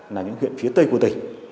là những huyện phía tây của tỉnh